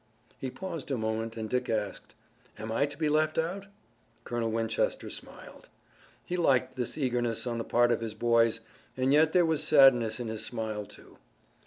He paused a moment and Dick asked: "Am I to be left out?" Colonel Winchester smiled. He liked this eagerness on the part of his boys, and yet there was sadness in his smile, too.